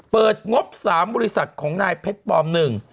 เปิดงบ๓บุริษัทของนายเพชรปอม๑